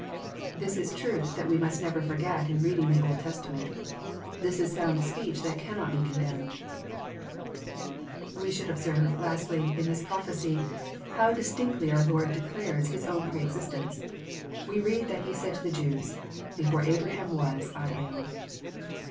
This is truth that we must never forget in reading the Old Testament. This is sound speech that cannot be con demned. We should observe, lastly, in this prophecy, how distinct^ ly our Lord declares His own pre^xistence. We read that He said to the Jews, '^ Before Abraham was, I am."